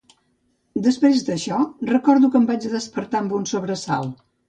Després d'això, recordo que em vaig despertar amb un sobresalt